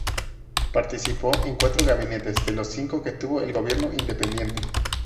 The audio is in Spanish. Participó en cuatro gabinetes de los cinco que tuvo el gobierno independiente.